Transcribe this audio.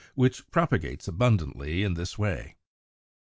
91), which propagates abundantly in this way.